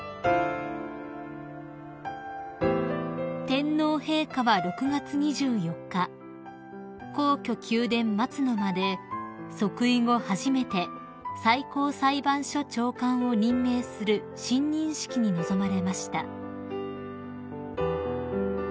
［天皇陛下は６月２４日皇居宮殿松の間で即位後初めて最高裁判所長官を任命する親任式に臨まれました］